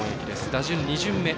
打順２巡目。